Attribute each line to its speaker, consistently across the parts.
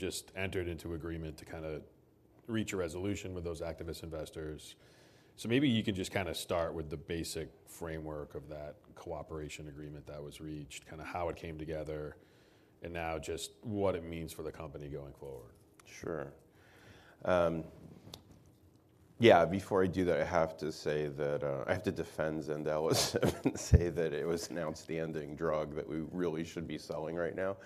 Speaker 1: You just entered into agreement to kind of reach a resolution with those activist investors. Maybe you can just kind of start with the basic framework of that cooperation agreement that was reached, kind of how it came together, and now just what it means for the company going forward.
Speaker 2: Sure. Yeah, before I do that, I have to say that I have to defend zandelisib and say that it was an outstanding drug that we really should be selling right now.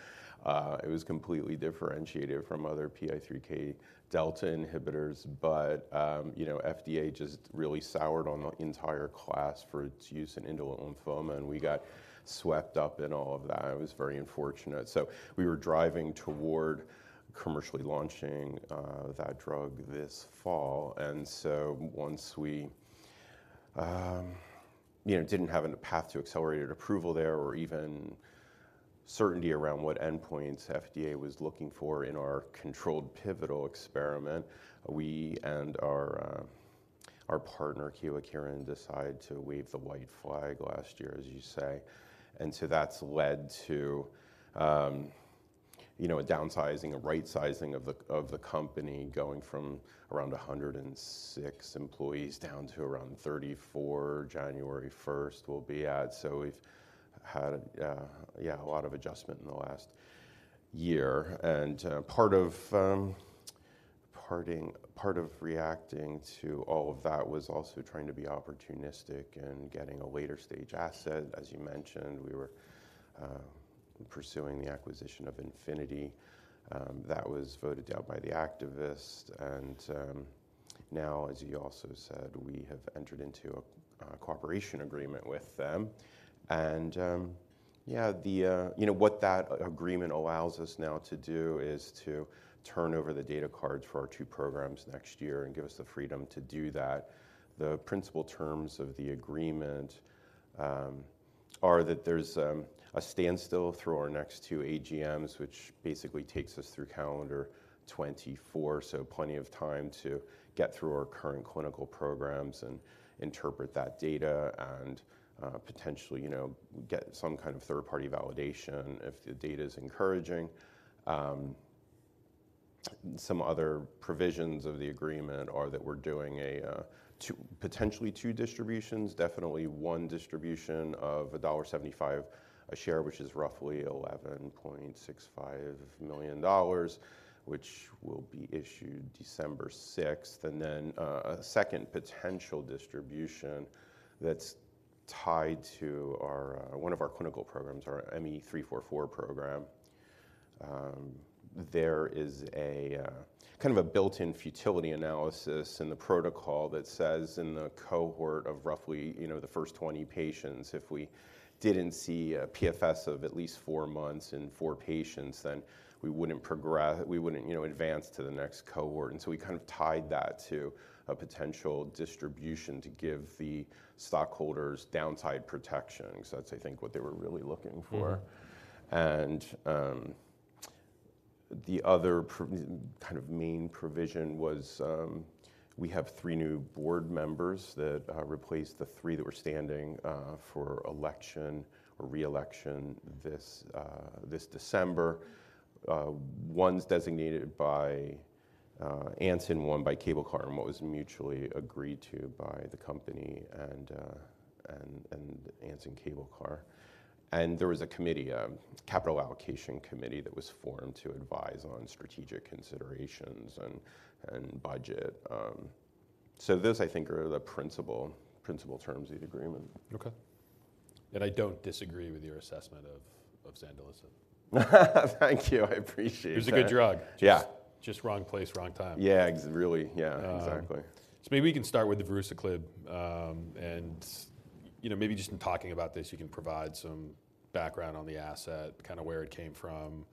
Speaker 2: It was completely differentiated from other PI3K delta inhibitors, but you know, FDA just really soured on the entire class for its use in indolent lymphoma, and we got swept up in all of that. It was very unfortunate. So we were driving toward commercially launching that drug this fall, and so once we, you know, didn't have a path to accelerated approval there or even certainty around what endpoints FDA was looking for in our controlled pivotal experiment, we and our partner, Kyowa Kirin, decided to wave the white flag last year, as you say. So that's led to, you know, a downsizing, a right-sizing of the company, going from around 106 employees down to around 34, January 1, we'll be at. So we've had, yeah, a lot of adjustment in the last year. And part of reacting to all of that was also trying to be opportunistic in getting a later-stage asset. As you mentioned, we were pursuing the acquisition of Infinity. That was voted down by the activists, and now, as you also said, we have entered into a cooperation agreement with them. You know, what that agreement allows us now to do is to turn over the data cards for our two programs next year and give us the freedom to do that. The principal terms of the agreement are that there's a standstill through our next two AGMs, which basically takes us through calendar 2024, so plenty of time to get through our current clinical programs and interpret that data and potentially, you know, get some kind of third-party validation if the data is encouraging. Some other provisions of the agreement are that we're doing a two- potentially two distributions, definitely one distribution of $1.75 a share, which is roughly $11.65 million, which will be issued December sixth. And then a second potential distribution that's tied to our one of our clinical programs, our ME-344 program. There is a kind of a built-in futility analysis in the protocol that says in the cohort of roughly, you know, the first 20 patients, if we didn't see a PFS of at least four months in four patients, then we wouldn't, you know, advance to the next cohort. And so we kind of tied that to a potential distribution to give the stockholders downside protection. So that's, I think, what they were really looking for.
Speaker 1: Mm-hmm.
Speaker 2: And the other pro-- kind of main provision was, we have three new board members that replaced the three that were standing for election or re-election this December. One's designated by Anson, one by Cable Car, and what was mutually agreed to by the company and Anson, Cable Car. And there was a committee, a capital allocation committee, that was formed to advise on strategic considerations and budget. So those, I think, are the principal terms of the agreement.
Speaker 1: Okay. I don't disagree with your assessment of, of zandelisib.
Speaker 2: Thank you. I appreciate that.
Speaker 1: It's a good drug.
Speaker 2: Yeah.
Speaker 1: Just wrong place, wrong time.
Speaker 2: Yeah, really. Yeah, exactly.
Speaker 1: So maybe we can start with the Voruciclib. And, you know, maybe just in talking about this, you can provide some background on the asset, kind of where it came from,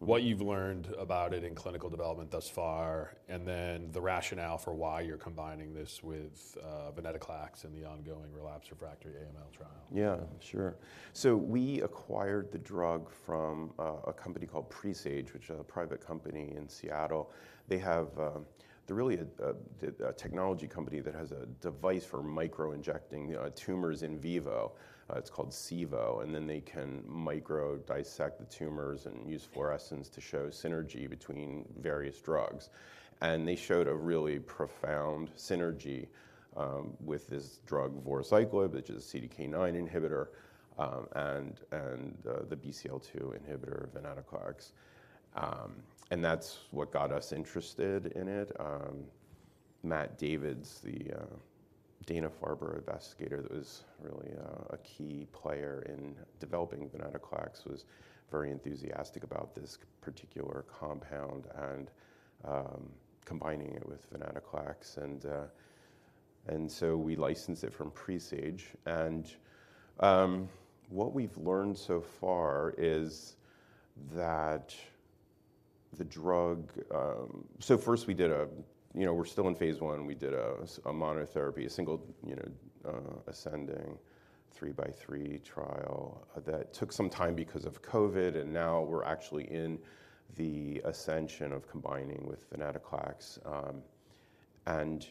Speaker 1: what you've learned about it in clinical development thus far, and then the rationale for why you're combining this with venetoclax and the ongoing relapse refractory AML trial.
Speaker 2: Yeah, sure. So we acquired the drug from a company called Presage, which is a private company in Seattle. They have... They're really a technology company that has a device for micro-injecting tumors in vivo. It's called CIVO, and then they can micro-dissect the tumors and use fluorescence to show synergy between various drugs. And they showed a really profound synergy with this drug, Voruciclib, which is a CDK9 inhibitor, and the BCL-2 inhibitor, venetoclax. And that's what got us interested in it. Matt Davids, the Dana-Farber investigator, that was really a key player in developing venetoclax, was very enthusiastic about this particular compound and combining it with venetoclax. And so we licensed it from Presage. And what we've learned so far is that the drug... So first we did a. You know, we're still in phase 1, and we did a monotherapy, a single, you know, ascending 3-by-3 trial. That took some time because of COVID, and now we're actually in the escalation of combining with venetoclax. And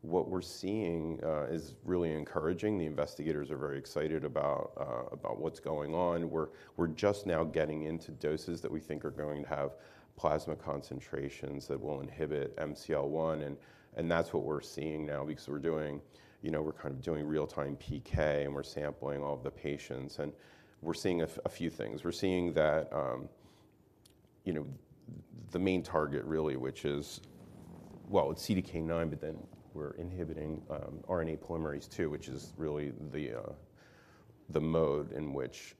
Speaker 2: what we're seeing is really encouraging. The investigators are very excited about about what's going on. We're just now getting into doses that we think are going to have plasma concentrations that will inhibit MCL1, and that's what we're seeing now because we're doing you know, we're kind of doing real-time PK, and we're sampling all of the patients, and we're seeing a few things. We're seeing that, you know, the main target really, which is... Well, it's CDK9, but then we're inhibiting RNA polymerase II, which is really the mode in which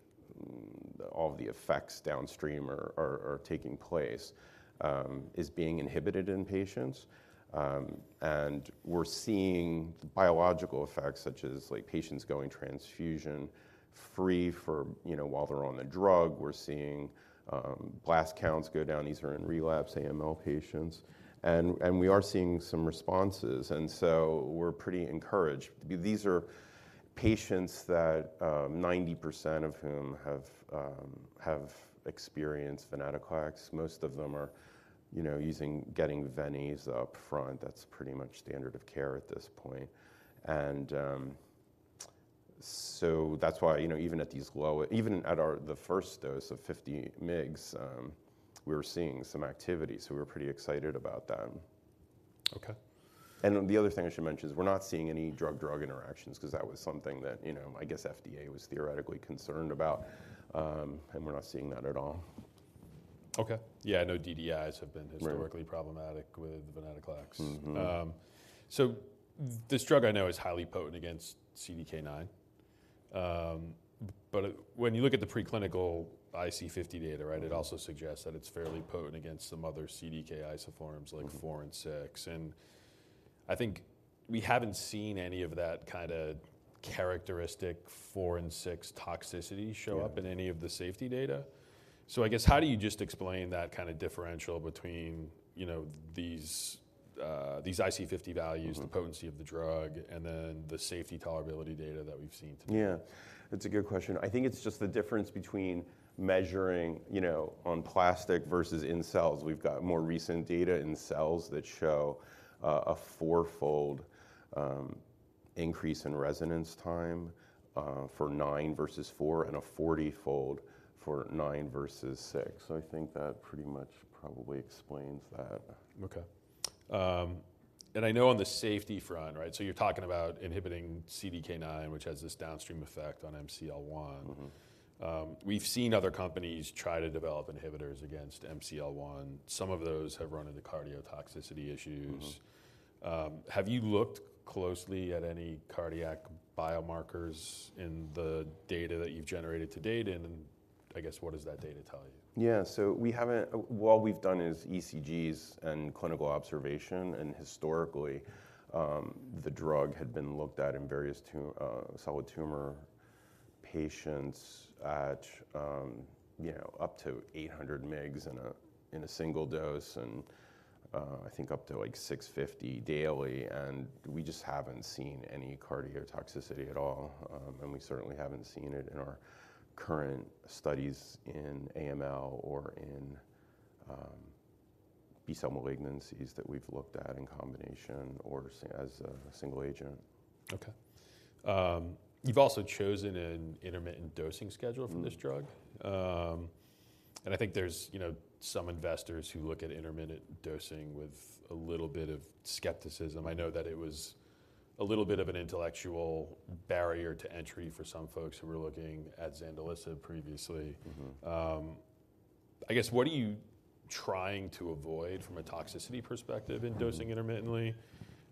Speaker 2: all the effects downstream are taking place, is being inhibited in patients. We're seeing biological effects, such as like patients going transfusion-free for, you know, while they're on the drug. We're seeing blast counts go down. These are in relapse AML patients, and we are seeing some responses, and so we're pretty encouraged. These are patients that 90% of whom have experienced venetoclax. Most of them are, you know, getting venetoclax upfront. That's pretty much standard of care at this point. So that's why, you know, even at the first dose of 50 mg, we were seeing some activity, so we're pretty excited about that.
Speaker 1: Okay.
Speaker 2: The other thing I should mention is we're not seeing any drug-drug interactions because that was something that, you know, I guess FDA was theoretically concerned about, and we're not seeing that at all.
Speaker 1: Okay. Yeah, I know DDIs have been-
Speaker 2: Right...
Speaker 1: historically problematic with venetoclax.
Speaker 2: Mm-hmm.
Speaker 1: So this drug I know is highly potent against CDK9. But when you look at the preclinical IC50 data, right, it also suggests that it's fairly potent against some other CDK isoforms-
Speaker 2: Mm-hmm...
Speaker 1: like 4 and 6. I think we haven't seen any of that kind of characteristic 4 and 6 toxicity show up-
Speaker 2: Yeah...
Speaker 1: in any of the safety data. So I guess, how do you just explain that kind of differential between, you know, these, these IC50 values-
Speaker 2: Mm-hmm...
Speaker 1: the potency of the drug, and then the safety tolerability data that we've seen today?
Speaker 2: Yeah, that's a good question. I think it's just the difference between measuring, you know, on plastic versus in cells. We've got more recent data in cells that show a 4-fold increase in resonance time for 9 versus 4, and a 40-fold for 9 versus 6. So I think that pretty much probably explains that.
Speaker 1: Okay. And I know on the safety front, right? So you're talking about inhibiting CDK9, which has this downstream effect on MCL1.
Speaker 2: Mm-hmm.
Speaker 1: We've seen other companies try to develop inhibitors against MCL1. Some of those have run into cardiotoxicity issues.
Speaker 2: Mm-hmm.
Speaker 1: Have you looked closely at any cardiac biomarkers in the data that you've generated to date? And then, I guess, what does that data tell you?
Speaker 2: Yeah. So we haven't—what we've done is ECGs and clinical observation, and historically, the drug had been looked at in various solid tumor patients at, you know, up to 800 mg in a single dose, and I think up to, like, 650 daily, and we just haven't seen any cardiotoxicity at all. And we certainly haven't seen it in our current studies in AML or in B-cell malignancies that we've looked at in combination or as a single agent.
Speaker 1: Okay. You've also chosen an intermittent dosing schedule for this drug.
Speaker 2: Mm-hmm.
Speaker 1: and I think there's, you know, some investors who look at intermittent dosing with a little bit of skepticism. I know that it was a little bit of an intellectual barrier to entry for some folks who were looking at zandelisib previously.
Speaker 2: Mm-hmm.
Speaker 1: I guess, what are you trying to avoid from a toxicity perspective?
Speaker 2: Mm-hmm...
Speaker 1: in dosing intermittently?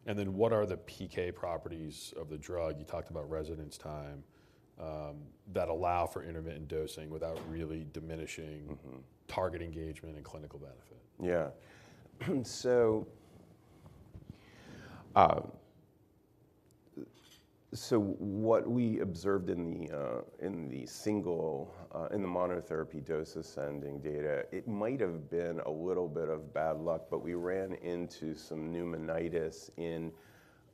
Speaker 1: And then what are the PK properties of the drug? You talked about residence time, that allow for intermittent dosing without really diminishing-
Speaker 2: Mm-hmm...
Speaker 1: target engagement and clinical benefit.
Speaker 2: Yeah. So what we observed in the single monotherapy dose-escalating data, it might have been a little bit of bad luck, but we ran into some pneumonitis in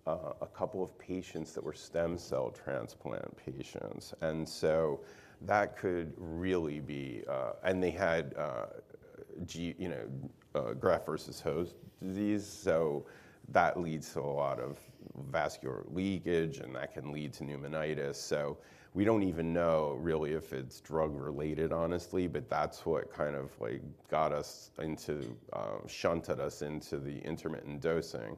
Speaker 2: a couple of patients that were stem cell transplant patients, and so that could really be. And they had G- you know, graft-versus-host disease, so that leads to a lot of vascular leakage, and that can lead to pneumonitis. So we don't even know really if it's drug-related, honestly, but that's what kind of, like, got us into shunted us into the intermittent dosing.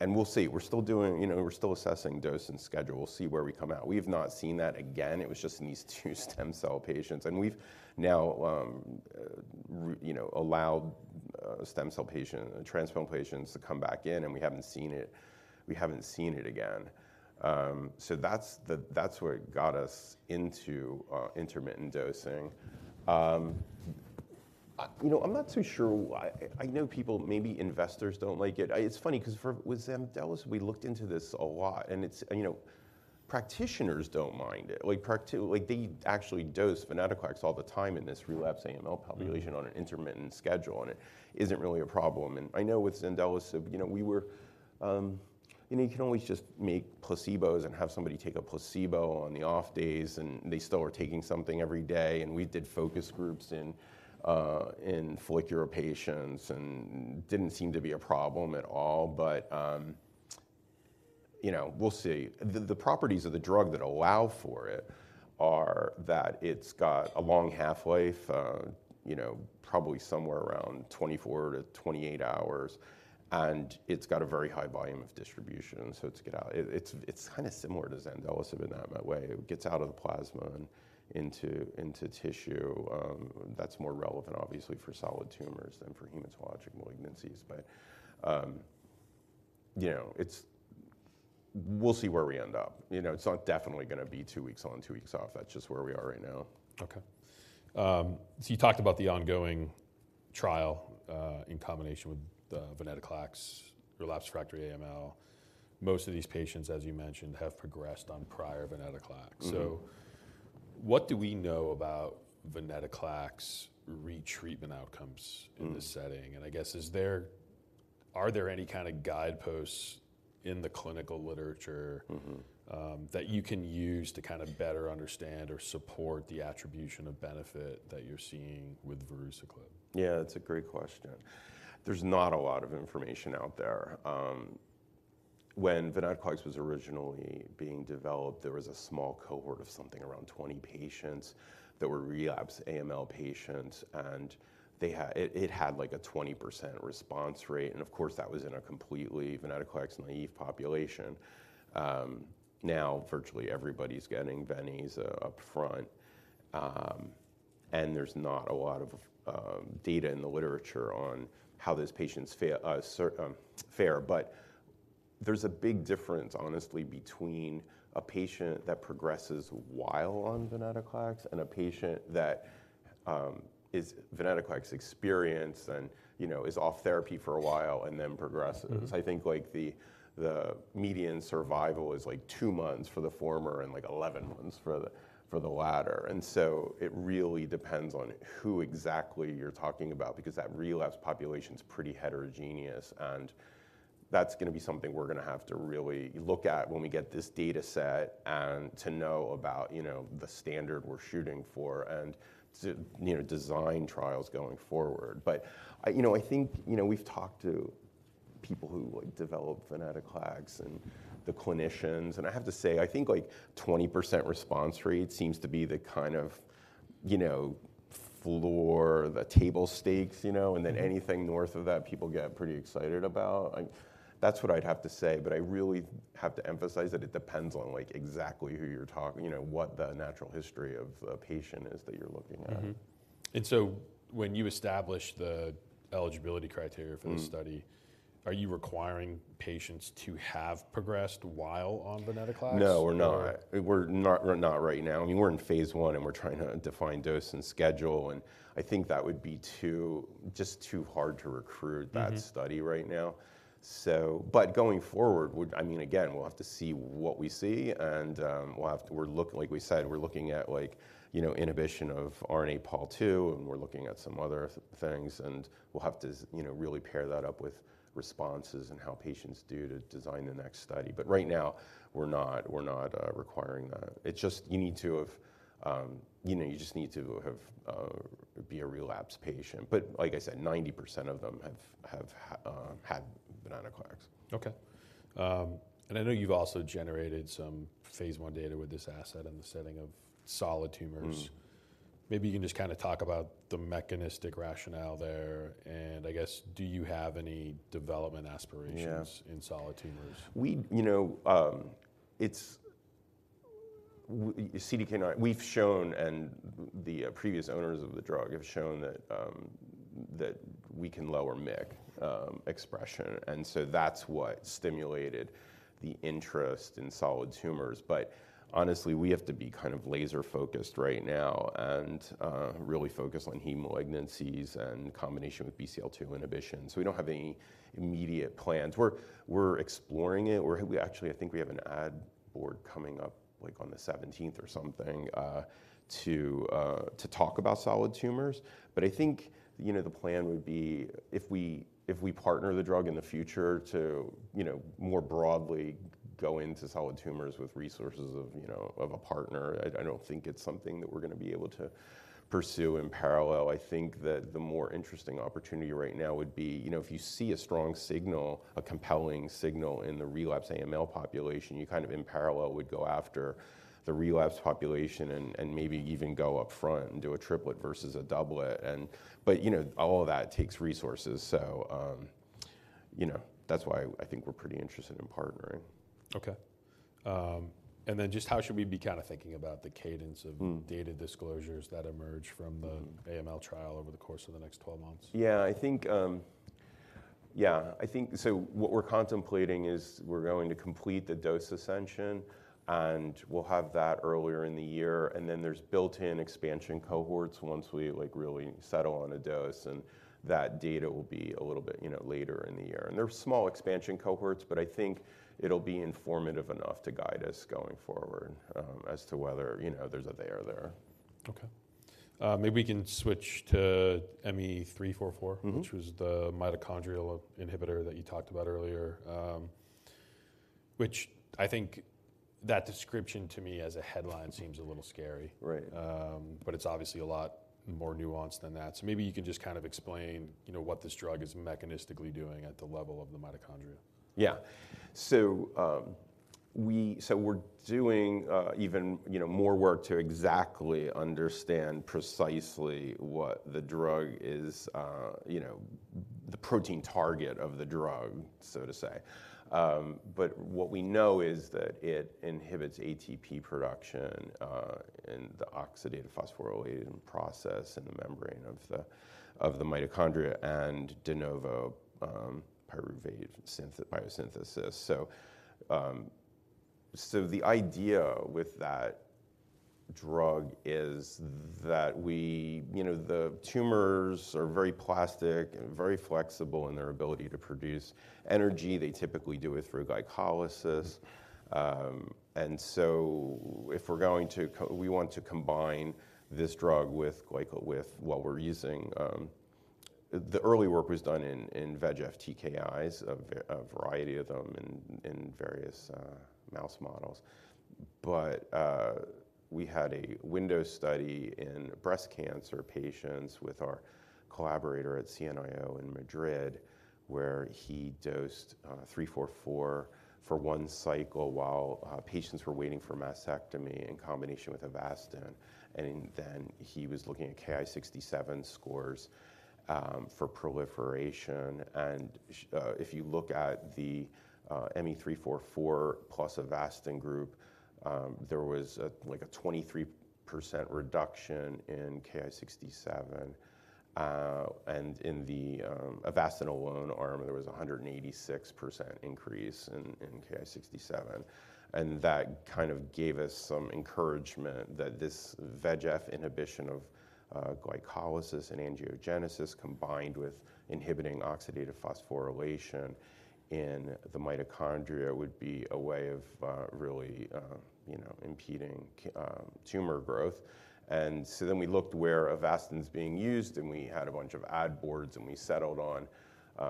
Speaker 2: And we'll see. We're still doing. You know, we're still assessing dose and schedule. We'll see where we come out. We've not seen that again. It was just in these two stem cell patients, and we've now, you know, allowed stem cell patient, transplant patients to come back in, and we haven't seen it, we haven't seen it again. So that's the. That's what got us into intermittent dosing. You know, I'm not too sure why. I know people, maybe investors don't like it. It's funny because with zandelisib, we looked into this a lot, and it's, you know, practitioners don't mind it. Like, they actually dose venetoclax all the time in this relapsed AML population-
Speaker 1: Mm-hmm...
Speaker 2: on an intermittent schedule, and it isn't really a problem. And I know with zandelisib, you know, we were, you know, you can always just make placebos and have somebody take a placebo on the off days, and they still are taking something every day. And we did focus groups in follicular patients, and didn't seem to be a problem at all. But, you know, we'll see. The properties of the drug that allow for it are that it's got a long half-life, you know, probably somewhere around 24-28 hours, and it's got a very high volume of distribution, so it gets out-- it's kind of similar to zandelisib in that way. It gets out of the plasma and into tissue. That's more relevant, obviously, for solid tumors than for hematologic malignancies. But, you know, we'll see where we end up. You know, it's not definitely gonna be two weeks on, two weeks off. That's just where we are right now.
Speaker 1: Okay. So you talked about the ongoing trial in combination with the venetoclax relapsed/refractory AML. Most of these patients, as you mentioned, have progressed on prior venetoclax.
Speaker 2: Mm-hmm.
Speaker 1: So what do we know about venetoclax retreatment outcomes?
Speaker 2: Mm...
Speaker 1: in this setting? And I guess, are there any kind of guideposts in the clinical literature-
Speaker 2: Mm-hmm...
Speaker 1: that you can use to kind of better understand or support the attribution of benefit that you're seeing with Voruciclib?
Speaker 2: Yeah, that's a great question. There's not a lot of information out there. When venetoclax was originally being developed, there was a small cohort of something around 20 patients that were relapsed AML patients, and they had. It had, like, a 20% response rate, and of course, that was in a completely venetoclax-naive population. Now, virtually everybody's getting venetoclax upfront, and there's not a lot of data in the literature on how those patients fare. But there's a big difference, honestly, between a patient that progresses while on venetoclax and a patient that is venetoclax experienced and, you know, is off therapy for a while and then progresses.
Speaker 1: Mm-hmm.
Speaker 2: I think, like, the median survival is, like, two months for the former and, like, 11 months for the latter. And so it really depends on who exactly you're talking about because that relapsed population is pretty heterogeneous, and that's gonna be something we're gonna have to really look at when we get this data set, and to know about, you know, the standard we're shooting for and to, you know, design trials going forward. But, I, you know, I think, you know, we've talked to people who, like, develop venetoclax and the clinicians, and I have to say, I think, like, 20% response rate seems to be the kind of, you know, floor, the table stakes, you know-
Speaker 1: Mm-hmm...
Speaker 2: and then anything north of that, people get pretty excited about. Like, that's what I'd have to say, but I really have to emphasize that it depends on, like, exactly who you're talk- you know, what the natural history of a patient is that you're looking at.
Speaker 1: Mm-hmm. And so when you establish the eligibility criteria for this study-
Speaker 2: Mm...
Speaker 1: are you requiring patients to have progressed while on venetoclax?
Speaker 2: No, we're not. We're not, we're not right now. I mean, we're in phase I, and we're trying to define dose and schedule, and I think that would be too, just too hard to recruit-
Speaker 1: Mm-hmm...
Speaker 2: that study right now. So, but going forward, I mean, again, we'll have to see what we see, and, we'll have to, like we said, we're looking at, like, you know, inhibition of RNA Pol II, and we're looking at some other things, and we'll have to, you know, really pair that up with responses and how patients do to design the next study. But right now, we're not, we're not requiring that. It's just, you need to have, you know, you just need to have be a relapsed patient. But like I said, 90% of them have had venetoclax.
Speaker 1: Okay. I know you've also generated some phase I data with this asset in the setting of solid tumors.
Speaker 2: Mm.
Speaker 1: Maybe you can just kind of talk about the mechanistic rationale there, and I guess, do you have any development aspirations?
Speaker 2: Yeah...
Speaker 1: in solid tumors?
Speaker 2: We, you know, it's CDK9. We've shown, and the previous owners of the drug have shown that we can lower MYC expression, and so that's what stimulated the interest in solid tumors. But honestly, we have to be kind of laser-focused right now and really focused on heme malignancies and combination with BCL-2 inhibition, so we don't have any immediate plans. We're exploring it, or we actually, I think we have an ad board coming up, like, on the seventeenth or something, to talk about solid tumors. But I think, you know, the plan would be if we partner the drug in the future to, you know, more broadly go into solid tumors with resources of, you know, of a partner. I don't think it's something that we're gonna be able to pursue in parallel. I think that the more interesting opportunity right now would be, you know, if you see a strong signal, a compelling signal in the relapsed AML population, you kind of in parallel would go after the relapsed population and, and maybe even go up front and do a triplet versus a doublet and... But you know, all of that takes resources, so, you know, that's why I think we're pretty interested in partnering.
Speaker 1: Okay. And then just how should we be kind of thinking about the cadence of-
Speaker 2: Mm...
Speaker 1: data disclosures that emerge from the-
Speaker 2: Mm-hmm...
Speaker 1: AML trial over the course of the next 12 months?
Speaker 2: Yeah. I think, so what we're contemplating is we're going to complete the dose ascension, and we'll have that earlier in the year, and then there's built-in expansion cohorts once we, like, really settle on a dose, and that data will be a little bit, you know, later in the year. And they're small expansion cohorts, but I think it'll be informative enough to guide us going forward, as to whether, you know, there's a there there.
Speaker 1: Okay, maybe we can switch to ME-344-
Speaker 2: Mm-hmm.
Speaker 1: -which was the mitochondrial inhibitor that you talked about earlier. Which I think that description to me as a headline seems a little scary.
Speaker 2: Right.
Speaker 1: But it's obviously a lot more nuanced than that. So maybe you can just kind of explain, you know, what this drug is mechanistically doing at the level of the mitochondria.
Speaker 2: Yeah. So, we're doing, even, you know, more work to exactly understand precisely what the drug is, you know, the protein target of the drug, so to say. But what we know is that it inhibits ATP production, and the oxidative phosphorylation process in the membrane of the mitochondria and de novo pyruvate biosynthesis. So, the idea with that drug is that you know, the tumors are very plastic and very flexible in their ability to produce energy. They typically do it through glycolysis. And so if we're going to, we want to combine this drug with what we're using. The early work was done in VEGF TKIs, a variety of them in various mouse models. But we had a window study in breast cancer patients with our collaborator at CNIO in Madrid, where he dosed ME-344 for one cycle while patients were waiting for mastectomy in combination with Avastin. And then he was looking at Ki-67 scores for proliferation. And if you look at the ME-344 plus Avastin group, there was a like a 23% reduction in Ki-67. And in the Avastin alone arm, there was a 186% increase in Ki-67. And that kind of gave us some encouragement that this VEGF inhibition of glycolysis and angiogenesis, combined with inhibiting oxidative phosphorylation in the mitochondria, would be a way of really you know impeding tumor growth. And so then we looked where Avastin is being used, and we had a bunch of ad boards, and we settled on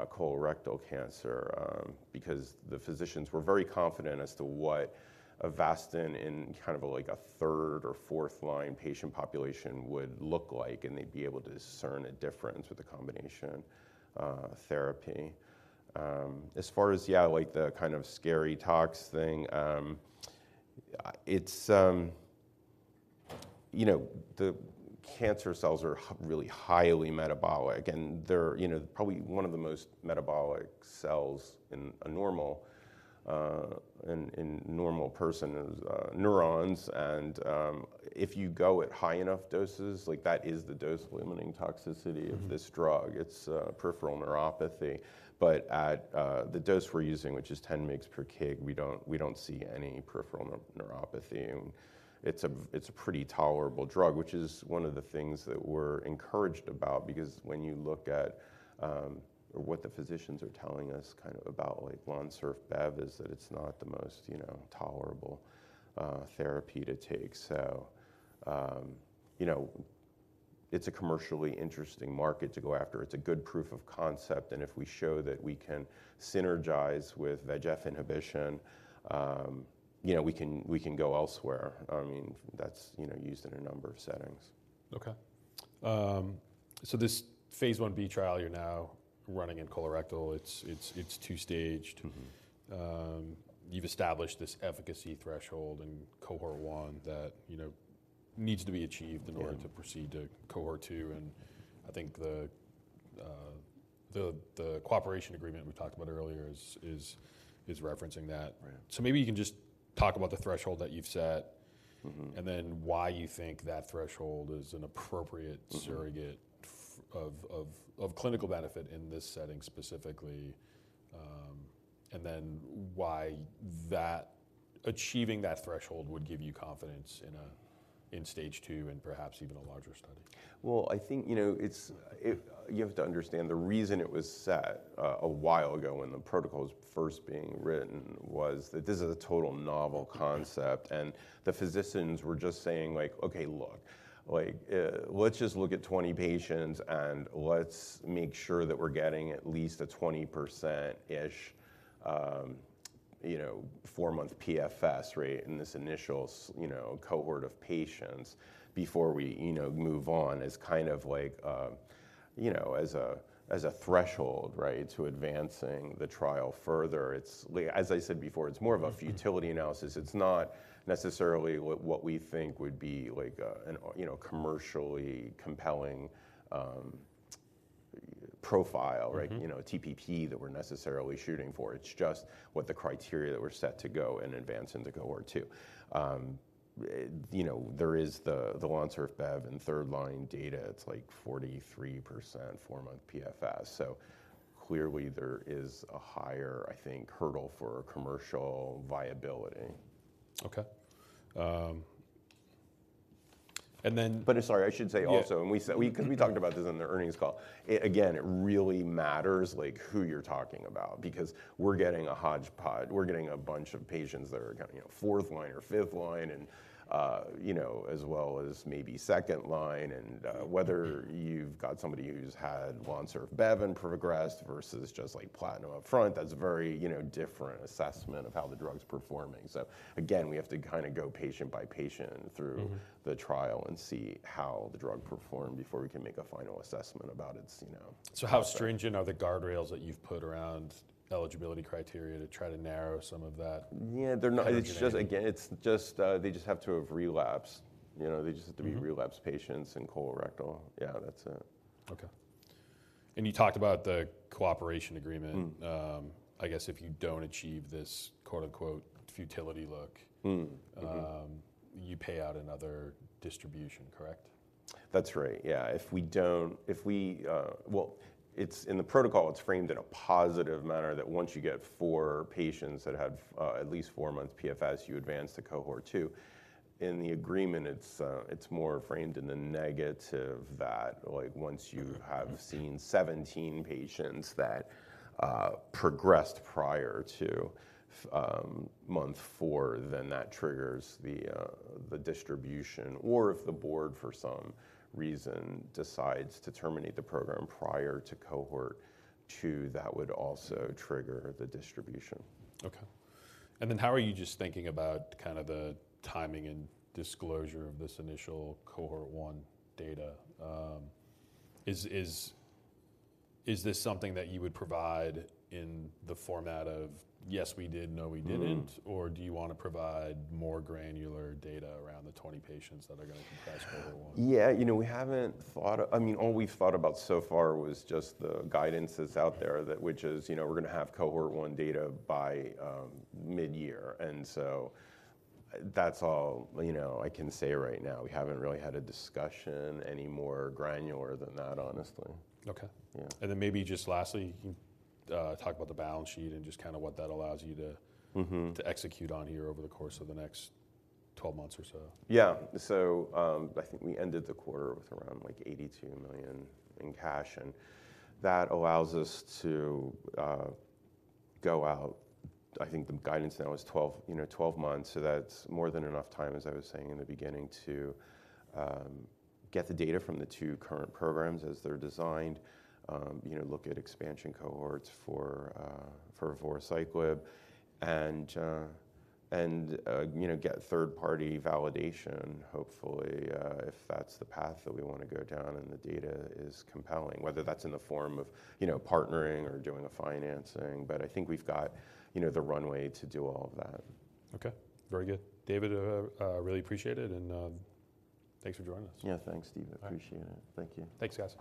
Speaker 2: colorectal cancer. Because the physicians were very confident as to what Avastin in kind of a, like, a third or fourth line patient population would look like, and they'd be able to discern a difference with the combination therapy. As far as, yeah, like, the kind of scary tox thing, it's... You know, the cancer cells are really highly metabolic, and they're, you know, probably one of the most metabolic cells in a normal, in normal person is neurons. And if you go at high enough doses, like, that is the dose-limiting toxicity of this drug.
Speaker 1: Mm-hmm.
Speaker 2: It's peripheral neuropathy. But at the dose we're using, which is 10 mg per kg, we don't see any peripheral neuropathy. And it's a pretty tolerable drug, which is one of the things that we're encouraged about. Because when you look at or what the physicians are telling us kind of about, like, Lonsurf, is that it's not the most, you know, tolerable therapy to take. So, you know, it's a commercially interesting market to go after. It's a good proof of concept, and if we show that we can synergize with VEGF inhibition, you know, we can go elsewhere. I mean, that's used in a number of settings.
Speaker 1: Okay. So this Phase 1b trial you're now running in colorectal, it's two-staged.
Speaker 2: Mm-hmm.
Speaker 1: You've established this efficacy threshold in Cohort I that, you know, needs to be achieved-
Speaker 2: Yeah...
Speaker 1: in order to proceed to Cohort II. And I think the cooperation agreement we talked about earlier is referencing that.
Speaker 2: Right.
Speaker 1: Maybe you can just talk about the threshold that you've set.
Speaker 2: Mm-hmm.
Speaker 1: And then why you think that threshold is an appropriate-
Speaker 2: Mm-hmm...
Speaker 1: surrogate form of clinical benefit in this setting specifically? And then why achieving that threshold would give you confidence in a Stage II and perhaps even a larger study.
Speaker 2: Well, I think, you know, it's. You have to understand the reason it was set a while ago when the protocol was first being written, was that this is a total novel concept. And the physicians were just saying, like: "Okay, look, like, let's just look at 20 patients, and let's make sure that we're getting at least a 20%-ish, you know, four-month PFS rate in this initial cohort of patients before we, you know, move on." As kind of like, you know, as a threshold, right, to advancing the trial further. It's like, as I said before, it's more of a futility analysis. It's not necessarily what we think would be like a, an, you know, commercially compelling profile, right?
Speaker 1: Mm-hmm.
Speaker 2: You know, a TPP that we're necessarily shooting for. It's just what the criteria that we're set to go and advance into Cohort II. You know, there is the Lonsurf in third line data, it's like 43%, four-month PFS. So clearly, there is a higher, I think, hurdle for commercial viability.
Speaker 1: Okay. So-...
Speaker 2: and then, but sorry, I should say also-
Speaker 1: Yeah...
Speaker 2: and we said, 'cause we talked about this in the earnings call. Again, it really matters like who you're talking about, because we're getting a hodgepodge. We're getting a bunch of patients that are kind of, you know, fourth line or fifth line, and, you know, as well as maybe second line, and, whether you've got somebody who's had Lonsurf progressed versus just like platinum up front, that's a very, you know, different assessment of how the drug's performing. So again, we have to kind of go patient by patient through-
Speaker 1: Mm-hmm...
Speaker 2: the trial and see how the drug performed before we can make a final assessment about its, you know-
Speaker 1: How stringent are the guardrails that you've put around eligibility criteria to try to narrow some of that?
Speaker 2: Yeah, they're not-
Speaker 1: Kind of-
Speaker 2: It's just, again, it's just, they just have to have relapsed. You know, they just have to be-
Speaker 1: Mm...
Speaker 2: relapsed patients in colorectal. Yeah, that's it.
Speaker 1: Okay. And you talked about the cooperation agreement.
Speaker 2: Mm.
Speaker 1: I guess if you don't achieve this quote, unquote, futility look-
Speaker 2: Mm. Mm-hmm...
Speaker 1: you pay out another distribution, correct?
Speaker 2: That's right. Yeah. Well, it's in the protocol, it's framed in a positive manner, that once you get four patients that have at least four months PFS, you advance to Cohort II. In the agreement, it's more framed in the negative that, like once you have seen 17 patients that progressed prior to month four, then that triggers the distribution, or if the board, for some reason, decides to terminate the program prior to Cohort II, that would also trigger the distribution.
Speaker 1: Okay. And then how are you just thinking about kind of the timing and disclosure of this initial Cohort I data? Is this something that you would provide in the format of, "Yes, we did. No, we didn't?
Speaker 2: Mm.
Speaker 1: Or do you want to provide more granular data around the 20 patients that are gonna progress to Cohort I?
Speaker 2: Yeah, you know, we haven't thought... I mean, all we've thought about so far was just the guidances out there, that, which is, you know, we're gonna have Cohort I data by mid-year, and so that's all, you know, I can say right now. We haven't really had a discussion any more granular than that, honestly.
Speaker 1: Okay.
Speaker 2: Yeah.
Speaker 1: And then maybe just lastly, you can talk about the balance sheet and just kind of what that allows you to-
Speaker 2: Mm-hmm...
Speaker 1: to execute on here over the course of the next 12 months or so.
Speaker 2: Yeah. So, I think we ended the quarter with around, like, $82 million in cash, and that allows us to go out. I think the guidance now is 12, you know, 12 months, so that's more than enough time, as I was saying in the beginning, to get the data from the two current programs as they're designed. You know, look at expansion cohorts for Voruciclib, and you know, get third-party validation, hopefully, if that's the path that we wanna go down and the data is compelling, whether that's in the form of, you know, partnering or doing a financing, but I think we've got, you know, the runway to do all of that.
Speaker 1: Okay. Very good. David, really appreciate it, and thanks for joining us.
Speaker 2: Yeah. Thanks, Steve. I appreciate it.
Speaker 1: All right.
Speaker 2: Thank you.
Speaker 1: Thanks, guys.